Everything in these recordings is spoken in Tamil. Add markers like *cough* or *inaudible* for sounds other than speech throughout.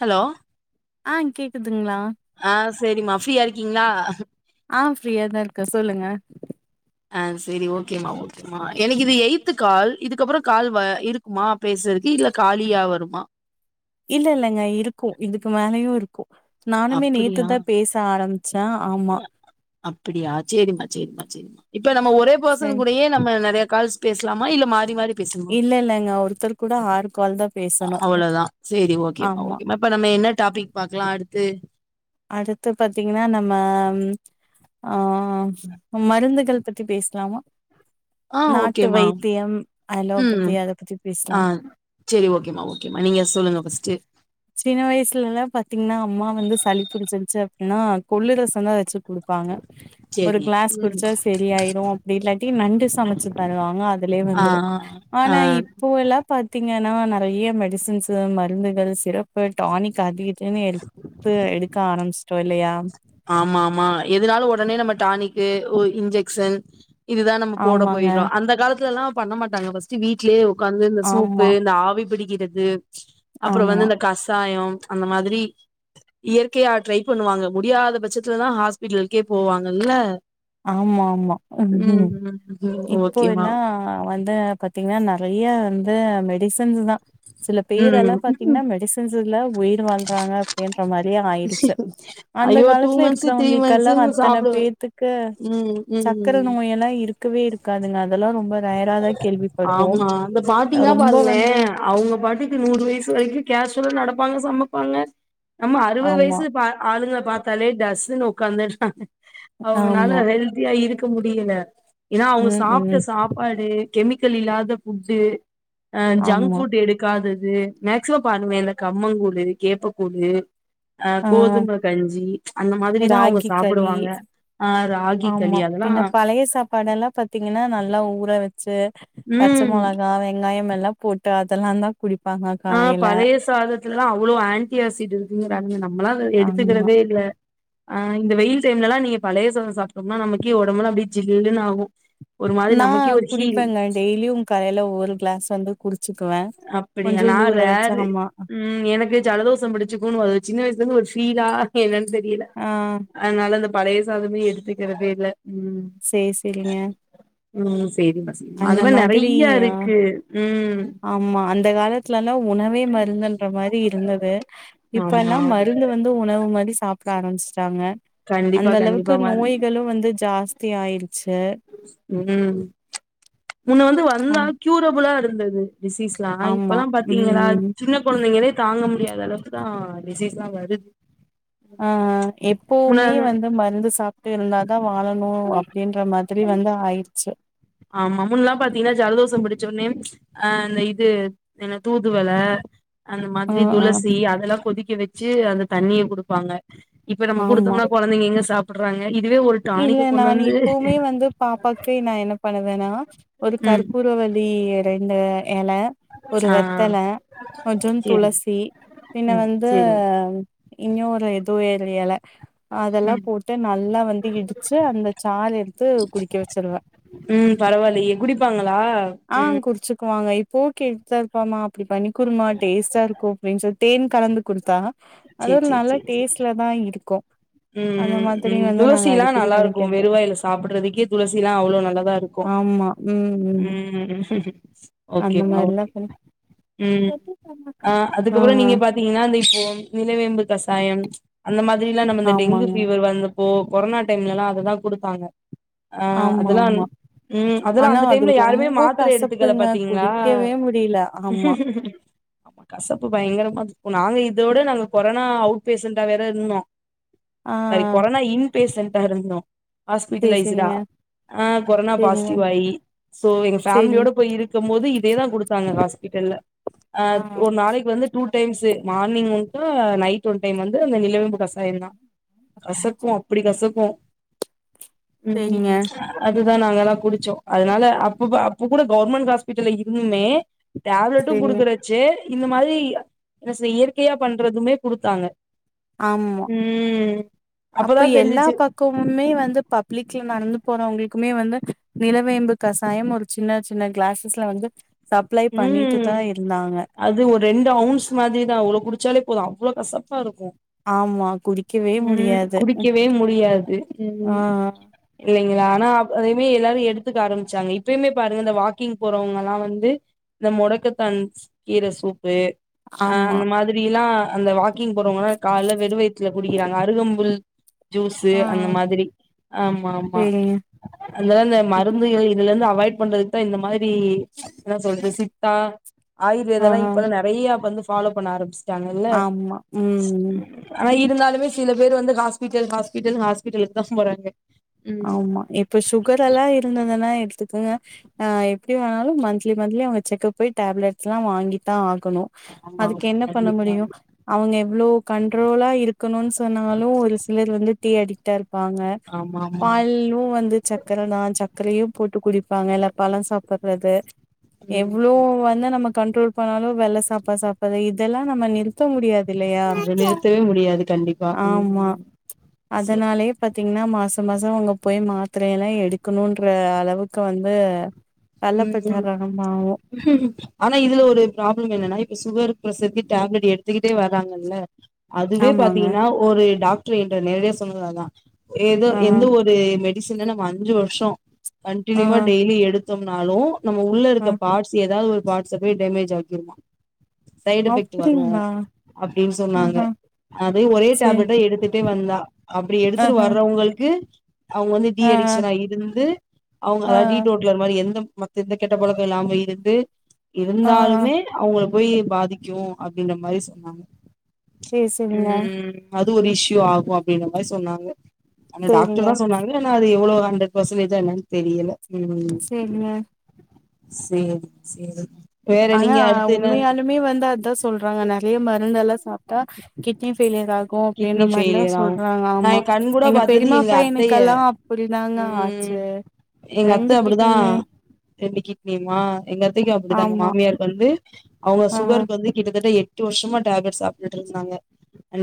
ஹலோ அ கேக்குதுங்களா ஆ சரிம்மா ஃப்ரீயா இருக்கீங்ளா ஆ ஃப்ரீாாதா இருக்க சொல்லுங்க ஆ சரி ஓகேம்மா ஓக் மா எனக்கு இது எய்த்து கால் இதுக்குப்பறோ கால் வ இருக்குமா பேசுறக்கு இல்ல காலியா வருமா இல்ல இல்லங்க இருக்கு இதுக்கு மேலயும் இருக்கு நானுமே நேத்து அப்படியா தா பேஸ் ச ஆரம்மிச்சா ஆமா அப்டியா சேரிம்மா சேரிம்மா சேரிமா இப்ப நம்ம ஒரே பர்சன் சரி கூடயே நம்ம ம நறைய கால்ஸ் பேஸ்லாமா இல்ல மாரி மாரி பேசுமா இல்ல இல்லங்க ஒருத்தர் கூட ஆறு கால் தா பேசணு அவ்ளோதா சரி ஓகேமா ஆமா ஓகே மேம் இப்ப நம்ம என்ன டாபிக் பாக்லா அடுத்து அடுத்து பாத்திங்கன்னா நம்மம் ஆ மருந்துகள் பத்தி பேஸ்லாமா ஆ நாட்டு ஓகேம்மா வைத்தியம் அலோபதி அத பத்தி பேஸ்லா செரி ஓக்கேமா ஓக்கேமா நீங்க சொல்லுங்க ஃபஸ்ட்டு சின்ன வய்சுலல்லா பாத்திங்ன்னா அம்மா வந்து சளி புடிச்சுருச்சு அப்டின்னா கொல்லு ரசோ தா வெச்சுக் குடுப்பாங்க ஒரு சரி க்ளாஸ் ம் குடிச்சா செரி ஆய்டு அப்டி இல்லாட்டி நண்டு சமச்சு தருவாங்க அதுலே வந் ஆ ஆ அ இப்போ எல்லா பாத்திங்கனா நெறய மெடிசன்ஸ்ஸு மருந்துகள் சிறப்பு டானிக் அதிக துனு எடுப்பு எடுக்க ஆரம்ஷ்ட்டோ இல்லயா ஆமா ஆமா எதுனாலு ஒடனே நம்ம டானிக்கு இன்ஜெக்க்ஷன் இதுதா நம்ப போட ஆமாங்க போய்றோ அந்த காலத்லல்லா பண்ண மாட்டாங்க ஃபஸ்ட் வீடலயே உக்காந்து இந்த சூப்பு ஆமா இந்த ஆவி பிடிக்கிறது அப்றோ வந்து ஆமா இந்த கசாயோம் அந்த மாதிரி இயற்கையா ட்ரை பண்ணுவாங்க முடியாத பச்சத்துலதா ஹாஸ்பிட்டல்க்கே போவாங்கல்ல ஆமா ஆமா ம் ம் இப்போ எல்லா வந் து பாத்திங்ன்னா நெறய வந்து மெடிசன்ஸ் தா சில பேரெல்லா ம் பாத்திங்ன்னா மெடிஸ் ஸ்ல உயிர் வாழ்றாங்க அப்டின்ற மாரியே ஆய்டுச்சு அந்த ஐயோ டூ காலத்ல மந்த்ஸு த்ரீ இருக்றவங்கள்க்கெல்லா மந்த்ஸுன்னு அத்தன சாப்டுவே பேத்துக் அ ம் சக்கர ம் நோய் எல்லா இருக்கவே இருக்காதுங்க அதல்லா ரொம்ப ரேராதா கேள்விப்படுவோ ஆமா அத பாத்திங்னா ரொம்ப பாருங்ளே வந்து அவுங்க பாட்டுக் நூறு வய்சு வரைக்கு கேஷ்வல நடப்பாங்க சமப்பாங்க நம்ம அறுவது ஆமா வய்சு பாட் ஆளுங்க பாத்தாலே டஸ்ஸுனு உக்காந்துட்றாங்க ஆமா அவுங்கனால ஹெல்த் தியா இருக்க முடியல ஏனா அவுங்க ம் சாப்ட்ட ம் சாப் பாடு கெமிக்கல் இல்லாத ஃபுட்டு ஆ ஜங்க் ஆமா ஃபுட் எடுக் காதது மேக்சிமம் பாருவேல கம்மங் கூழு கேப்ப கூழு அ ஆ கோதும கஞ்சி அந்த மாதிரிதா அவுங்க ராகி களி சாப்புடுவாங்க ஆ ராகி ஆமா களி அதெல்லா பின்ன பழய சாப்பாடெல்லா எல்லா பத் பத்திங்கன்னா நல்லா ஊற வெச்சு பச்ச ம் மொளகா வெங்காயம் எல்லா போட்டு அதல்லாம் தா குடிப்பாங்க காலையல தாலத்துலல்லாம் அவ்வுளோ ஆன்ட்டி ஆசிட் இருக்குங்குறாங்க நம்மளாம் அத ஆமா எடுத்துக்குறதே இல்ல ஆ இந்த வெயில் டைம்லல்லாம் நீங்க பழய சாதோ சாப்ட்டோம்னா நமக்கே ஒடம்பெலா அப்டியே ஜில்லுன் ஆகும் நா குடிப்பங்க டெய்லியும் காலைல ஒவ்வொரு க்ளாஸ் வந்து குடிச்சிக்குவே அப்படியா நா கொஞ்சோண்டு ஊர வெச்சு ரேரு ஆம்மா ம் எனக்கு ஜலதோசம் பிடிச்சுக்குணு அ சின்ன வய்ஸ்லந்து ஒரு ஃபீலா என்னன் தெரியல ஆ அத்னால இந்த பழைய சாதமே எடுத்துக்கிறதே இல்ல ம் சேர் சேரிங்க உம் சேரிமா சேரிமா அது அந்த மாரி மாதிரி நெறயா ஆ இருக்கு ம் ஆமா அந்த காலத்லல்லா உணவே மருந்துன்ற மாரி இருந்துது ஆமா இப்பெல்லாம் மருந்து வ ந்து உணவு மாரி சாப்ட ஆரம்ஷ்ட்டாங்க கண்டிப்பா அந்த அளவுக்கு கண்டிப்பாமா நோய் களு வந்து ஜாஸ்தி ஆய்ருச்சு ம் முன்ன வந்து வந்தா அம் க்யூரபுளா இருந்தது டிசீஸ் லா ஆமா இப்பல்லா பாத்திங்களா ம் சின்ன கொழந்தைங்களே தாங்க முடியாத அளவுக்கு தா டிசீஸ்லா வருது ஆ முன்ன எப்பவுமே வந்து மருந்து சாப் த்ர இருந்தாதான் வாழணும் அப்படின்ற மாதிரி வந்து ஆயிடுச்சு ஆமா முன் எல்லாம் பாத்தீங்கன்னா ஜலதோசம் பிடிச்ச ஒட்னே அ இந்த இது என்ன தூதுவள அந்த ஆ மாதிரி ஆ துளசி அதெல்லாம் கொதிக்க வச்சு அந்த தண்ணிய குடுப்பாங்க இப்ப நம்ம ஆமா குடுத்தோம்னா கொழந்தைங்க எங்க சாப்ட்றாங்க இதுவே ஒரு இல்ல டானிக்க கொண்டு நான் வந்து இப்பவுமே வந்து பாப்பாக்கு நா என்ன பண்ணுவேன்னா ஒரு ம் கற்பூரவள்ளி எலைல எல ஒரு ஆ வெத்தல கொஞ்சம் சேரி துளசி பின்ன ம் வந்து சேரி இன்னும் ஒரு எது எரு எல அதெல்லா ம் போட்டு நல்லா வந் இடிச்சு அந்த சால் எடுத்து குடிக்க வச்சருவேன் உம் பரவாயில்லே குடிப்பாங்களா ஆஹ் ம் குறிச்சுக்குவாங்க இ ப்போ கேட்டுட்தா இருப்பாமா அப்டி பண்ணி குடுமா டேஸ்ட்டா இருக்கும் அப்பின்னு சொல்லி தேன் கலந்து கொடுத்தா சேரி அதுது நல்ல டேஸ்ட்ல தான் இருக்கும் உம் உம் துளசிலாம் நல்லா இருக்கும் பண்ணிக்கிறது வெருவாயில சாப்ட்றதுக்கே துளசி எல்லாம் அவ்ளோ நல்லதா இருக்கும் உம் அந்தமார் எல்லா ம் ஆ ஆ அதுக்கப்புறோ நீங்க பாத்தீங்கன்னா அ இப்போ நிலவேம்பு கசாயம் அந்த மாதிரி எல்லாம் நம்ம இந்த டெங்கு ஆமாங்க ஃபீவர் வந்தப்போ கொரோனா டைம்ல எல்லாம் அதுதா கொடுத்தாங்க ஆமா ஆமா உம் அதெல்லாம் ஆனா அந்த அது டைம்ல யாருமே ரொம்ப மாத்திர எடுத்துக்கத கசப்புங்க பாத்தீங்களா குடிக்கவே முடியல ஆமா கசப்பு பயங்கரமா இருக்கும் நாங்க இதோட நாங்க கொரோனா அவுட் பேஷண்டா வேற இருந்தோம் ஆ சாரி கொரோனா இன்பேசன்டா இருந்தும் சேரி ஹாஸ்பிட்டலைஸ்ரா சேரிங்க ஆ கொரோனா சேரிங்க பாசிட்டிவ் ஆகி சோ எங்க சேரிங்க ஃபேமிலியோட போய் இருக்கும் போது இதேதா கொடுத்தாங்க ஹாஸ்பிட்டல்ல அ ஆ ஒரு நாளைக்கு வந்து டூ டைம்ஸு மானிங் ஒருக்கா நைட் ஒன் டைம் வந்து அந்த நிலவேம்பு கசாயம் தான் கசக்கும் அப்டி கசக்கும் சேரிங்க உம் அதுதான் நாங்க எல்லாம் குடிச்சோம் அதனால அப்ப அப்ப கூட கவுவர்மெண்ட் ஹாஸ்பிட்டல்ல இருந்துமே டேப்லெட்டும் சேரிங்க குடுக்குறச்சு இந்த மாதிரி என்ன செ இயற்கையா பண்றதுமே குடுத்தாங்க ஆமா ம் அப்பதா அப்ப எல்லா தெரிஞ்சிச்சு பக் கொமே வந்து பப்ளிக்ல நடந்து போறவங்களுக்குமே வந்து நிலவேம்பு கசாயம் ஒரு சின்ன சின்ன கிளாஸஸ்ல வந்து சப்ளை பண்ணிட்டு ம் தான் இருந்தாங்க அது ஒரு ரெண்டு அவுண்ட்ஸ் மாதிரிதான் அவ்ளோ குடிச்சாலே போதும் அவ்வளோ கசப்பா இருக்கும் ஆமா குடி உம் குடிக்கவே முடியாது உம் ஆ இல்லைங்களா ஆனா அதையுமே எல்லாரும் எடுத்துக்க ஆரம்பிச்சாங்க இப்பயுமே பாருங்க இந்த வாக்கிங் போறவங்க எல்லாம் வந்து இந்த முடக்கத்தான் கீர சூப்பு அ ஆமா அந்த மாதிரி எல்லாம் அந்த வாக்கிங் போறவங்கன்னா கால வெடுவயத்துல குடிக்கிறாங்க அருகம்புல் ஜூஸு ஆ அந்த மாதிரி ஆமா ஆமா சேரிங்க அதா இந்த மருந்துகள் இதுல இருந்து அவாய்ட் பண்றதுக்கு தான் இந்த மாதிரி என்ன சொல்றது சித்தா ஆயுர்வேதல்லா ஆஹா இப்பல்லா நெறையா வந்து ஃபாலோ பண்ண ஆரம்பிச் சாங்கல்ல ஆமா. ம். ஆனா இருந்தாலுமே சில பேரு வந்து ஹாஸ்பிட்டல் ஹாஸ்பிட்டல் ஹாஸ்பிட்டலுக்கு தா போறாங்க ம் ஆமா இப்ப சுகர் எல்லாம் இருந்ததுன்னா எடுத்துக்கங்க ஆ எப்டி வேணாலு மந்த்லி மந்த்லி அவுங்க செக்கப் போய் டேப்லெட்ஸ்லா வாங்கித்தா ஆகணு ஆமா அதுக்கு ஆமா என்ன பண்ண கண்டிப்பா முடியு அவங்க எவ்வளோ கண்ட்ரோலா இருக்கணுன்னு சொன்னாலு ஒரு சிலர் வந்து டீ அடிக்ட்டா இருப்பாங்க ஆமா ஆமா பாலு வந்து சக்கர தா சக்கரையும் போட்டு குடிப்பாங்க இல்ல பழம் சாப்புறது ம் எவ்ளோ வந்து நம்ம கண்ட்ரோல் பண்ணாலு வெள்ல சாப்பா சாப்புறது இதெல்லா நம்ம நிறுத்த முடியாது இல்லயா அத நிறுத்தவே முடியாது கண்டிப்பா ஆமா ம் சரி அதனாலே பாத்தீங்கன்னா மாச மாச அவுங்க போய் மாத்திரயெல்லா எடுக்கணுன்ற அளவுக்கு வந்து வெள்ள பட்டா ம் ரகமாவு ஆனா இதுல ஒரு ப்ராப்ளம் என்னன்னா இப்ப சுகர் ப்ரஷர்க்கு டேப்லெட் எடுத்துக்கிட்டே வராங்கல்ல அதுவே ஆமாங்க பாத்தீங்கன்னா ஒரு டாக்டர் என்ட்ட நேரடியா சொன்னது அதா ஏதோ ஆஹா எந்த ஒரு மெ டிசின நம்ம அஞ்சு வர்ஷோ கண்டினியூவா ஆஹா டெய்லி எடுத்தோம்னாலு நம்ம உள்ள இருக்க ஆ பார்ட்ஸ் ஏதாது ஒரு பார்ட்ஸ போய் டேமேஜ் ஆக்கிருமா சைடு் எஃபெக்ட் வரு அப்டிங்களா அப்டின்னு சொன்னாங்க ஆஹா அது ஒரே சேரி டேப்லெட்ட எடுத்துட்டே வந்தா அப்டி எடுத்துட்டு ஆஹா வர்றவங்களுக்கு அவுங்க வந்து டி ஆஹா அடிக்ஷனா இருந்து ஆ அவுங்க டீ டோட் லர் மாரி எந்த மத்த எந்த கெட்ட பழக்க இல்லாம இருந்து ஆ இருந்தாலுமே அவுங்கள போய் பாதிக்கு அப்டின்ற மாரி சொன்னாங்க சேரி சேரிங்க ம் அது ஒரு இஷ்யூ ஆகு அப்டின்ற மாரி சொன்னாங்க அந்த டாக்டர் சேரிங்க தா சொன்னாங்க டன் அது எவ்ளோ ஹண்ட்ரட் பெர்சன்டேஜா என்னனு தெரியல ம் செரிங்க செரி செரி ஆனா உண்மயாலுமே வந்து அதா சொல்றாங்க நெறையா மருந்தெல்லா சாப்ட்டா கிட்னி ஃபெயிலியர் ஆகு அப்டின்ற கிட்னி மாரில்லா ஃபெயிலியர் ஆவு சொல்றாங்க நா ஆமா எ கண் கூட எங்க பாத்தது பெரிம்மா எங்க பையனுக்கெல்லா அத்தைய அப்டிதாங்க ம் ஆச்சு எங்க அத்த ரெண்டு அப்டிதா கிட்னிமே ரெண்டு கிட்னியுமா எங்க அத்தைக்கு அப்டித்தா எங்க ஆமா மாமியாருக்கு வந்து அவுங்க ஆஹா சுகருக்கு வந்து கிட்டத்தட்ட எட்டு வருஷமா டேப்லெட் சாப்ட்டுட்டு இருந்தாங்க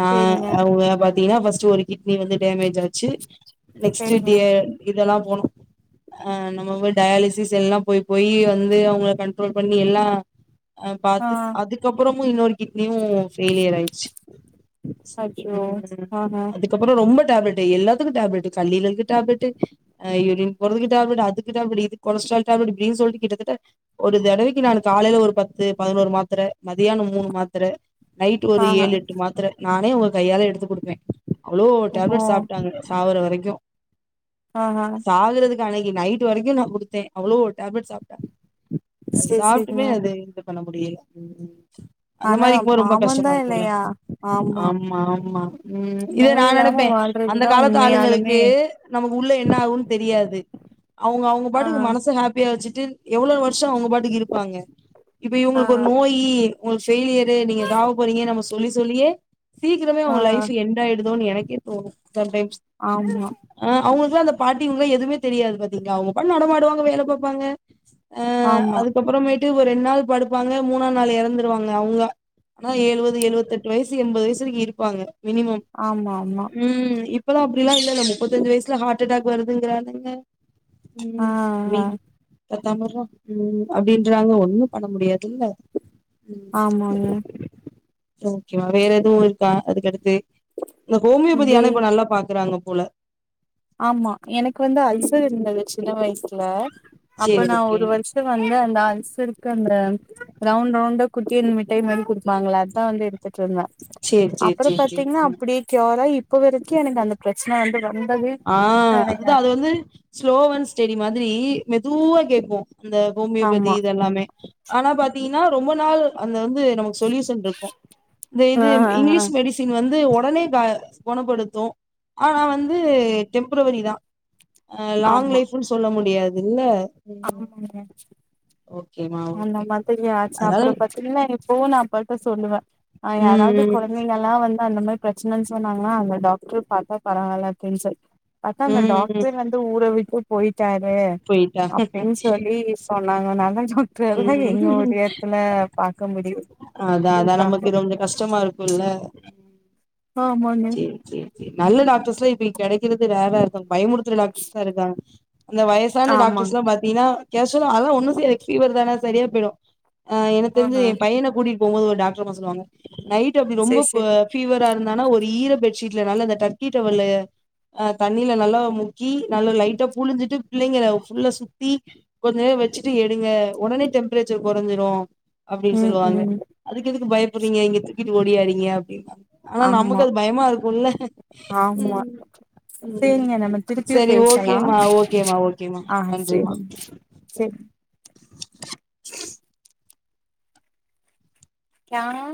நா சேரிங்க அவுங்க பாத்தீங்கன்னா ஃபஸ்ட்டு ஒரு கிட்னி வந்து டேமேஜ் ஆச்சு நெக்ஸ்ட் சேரிங்க டே இதெல்லா போனோ ஆ நம்ம போய் டயாலிசிஸ் எல்லா போய் போயி வந்து அவுங்கள கண்ட்ரோல் பண்ணி எல்லா ஆ பாத்து அதுக்கப்பறமு இன்னொரு கிட்னியு ஃபெய்லியர் ஆயிச்சு அச்சோ ம் ஆஹா அதுக்கப்பறோ ரொம்ப டேப்லெட்டு எல்லாத்துக்கு டேப்லெட்டு கல்லீரல்க்கு டேப்லெட்டு ஆ யூரின் போறதுக்கு டேப்லட்டு அதுக்கு டேப்லெட்டு இது கொலஸ்ட்ரால் டேப்லட்டு அப்டின்னு சொல்லிட்டு கிட்டத்தட்ட ஒரு தடவைக்கு நானு காலைல ஒரு பத்து பதினோரு மாத்திர மதியான மூணு மாத்திர நைட்டு ஒரு ஆஹா ஏழு எட்டு மாத்திர நானே உங்க கையால எடுத்து குடுப்பே அவ்ளோ ஓஹோ டேப்லெட் சாப்ட்டாங்க சாவற வரைக்கு ஆஹா சாகறதுக் கு அன்னக்கு நைட் வரைக்கு நா குடுத்தே அவ்ளோ டேப்லட் சாப்ட்டாங் அது சேரி சாப்ட்டுமே சேரிங்க அது இந்த பண்ண முடியல அந்த ஆனா மாரி இருக்கும்போது ரொம்ப பாவந்தா கஷ்டமா இருக்குல்ல இல்லையா ஆமா ஆம் மா ஆமா ம் இதே நா நோய் இல்லாம நெனப்பே அந்த வாழ்றதுதா காலத்து உண்மையாலுமே ஆளுங்களுக்கு நமக்கு உள்ள என்ன ஆகுன்னு தெரியாது அவுங்க அவுங்க ஆ பாட்டுக்கு மனச ஹாப்பியா வச்சுட்டு எவ்ளொ வருஷோ அவுங்க பாட்டுக்கு இருப்பாங்க இப்ப ஆ இவுங்களுக்கு ஒரு நோயி யி உங்களுக்கு ஃபெய்லியரு நீங்க சாவ போறீங்க நம்ம சொல்லி சொல்லியே சீக்கிரமே ஆ அவுங்க லைஃப் எண்ட் ஆயிடுதோன்னு எனக்கே தோணு சம்டைம்ஸ் ஆமா ஆ அவுங்களுக்குலா அந்த பாட்டி இவுங்க எதுமே தெரியாது பாத்தீங்க அவுங்க பாட்னு நடமாடுவாங்க வேல பாப்பாங்க ஆ ஆமா அதுக்கப்பறமேட்டு ஒரு ரெண்ட் நாள் படுப்பாங்க மூணா நாள் எறந்துருவாங்க அவுங்களா ஆனா எழுவது எழுவத்தெட்டு வயசு எம்பது வயசு வெரிக்கு இருப்பாங்க மினிமம் ஆமா ஆமா ம் இப் பல்லா அப்டிலா இல்லல முப்பத்தஞ்சு வய்சுல ஹாட்டடாக் வருதுங்கிறானுங்க ஆ ம் ஆ நீங் *unintelligible* ம் அப்டின்றாங்க ஒண்ணும் பண்ண முடியாதுல்ல ம் ஆமாங்க ஓகே வேற எதுவு இருக்கா அதுக்கடுத்து இந்த ஹோமியோபதி வே ஆனா இப்ப நல்லா பாக்கறாங்க போல ஆமா எனக்கு வந்து அல்சர் ம் இருந்தது சின்ன வய்ஸ்ல அப்ப சேரி நா ஓகே ஒரு வருஷ் வந்து அந்த அல்சருக்கு அந்த ரவுண்ட் ரவுண்டா குட்டியா மிட்டை மாரி குடுப்பாங்கள அதா வந்து எடு த்துட்ருந்தே சேரி சேரி அப்புறம் சேரி சேரி பாத்தீங்ன்னா ம் அப்படியே க்யூராயி இப்போ வெரிக்கு எனக்கு அந்த ப்ரெச்சன வந்து வந்ததே ஆ அதுதா அது கெடையாது வந்து ஸ்லோவன் ஸ்டெடி மாதிரி மெதுவா கேக்கு அந்த ஹோமியோபதி ஆமா இதெல்லாமே ஆனா பாத்தீங்கன்னா ரொம்ப நாள் அந்த வந்து நமக் சொல்யூசன்ட்ருக்கு இந்த ஆ இது இங்கிலீஷ் மெடிஸ் வின் வந்து ஒ கடனே கொணப்படுத்து ஆனா வந்து டெம்ப்ரவரிதா அ லாங் லைஃபுன் சொல்ல முடியாதுல்ல ஆமா ம் ஆமா ஓகேமா அந்த ஓகே மாதிரி ஆச்சு அதனால அப்புற பாத்தீங்கினா போன்னு அப்பாட்ட சொல்லுவே ஆ யாராவ்து ம் ம் குழந் தைங்கல்லா வந்து அந்த மார் ப்ரெச்னன் சொன்னாங்கன்னா அந்த டாக்டரு பாத்தா பரவால அப்டின் சொல் பத்தா அந்த ம் டாக்டர் வந்து ஊர விட்டு போயிட்டாரு போயிட்டா அப்டின் சொல்லி சொன்னாங்க அத்னால்தா டாக்ட்ரு *unintelligible* இங்க ஒரு ம் எட்த்துல பாக்க முடியு அதா அதா இருக்காங்க நமக்கு இது கொஞ்ச கஷ்டமா இருக்குல்ல ஆமாங் சேர் சேரி நல்ல டாக்டர்ஸ்ல்லா இப்ப கெடைக்கிறது ரேரா இருக்காங் பயமுருத்துற டாக்டர்ஸ்தா இருக்காங்க அந்த வயசான ஆமாங்க டாக்டர்ஸ்லா பாத்தீங்ன்னா கேஷ்வலா அதெல்ல ஒண்ணு செரிக் ஃபீவர் தான செரியா போய்டு ஆ எனக் தெரிஞ்சு ஆஹ எ பையன கூட்டிட்டு போம்போது ஒரு டாக்ட்ரம்மா சொல்லுவாங்க நைட் அப்டி ரொம்ப சேரி சேரி அ ஃபீவரா இருந்தானா ஒரு ஈர பெட்ஷீட்ல நல்லா அந்த டர்க்கி டவல்ல அ தண்ணில நல்லா மு கல்கி நல்லா லைட்டா ப புழிஞ்சிட்டு பிள்ளைங்கல உள்ள சுத்தி கொஞ்நேர வெச்சுட்டு எடுங்க உடனே டெம்ப்ரேச்சர் கொறஞ்சிரு அப்டின் ம் சொல்லுவாங்க ம் அதுக்கு எதுக்கு பயப்புறீங்க இங்க தூக்கிட்டு ஓடியாறீங்க அப்டின்வாங்க ஆமா பயமா இருக்குல ஆமா ம் சேரிங்க நம்ம திருப்பியு செரி பேசலா ஓகேமா ஓகேமா ஓகேமா நன்றிமா செரி க்யா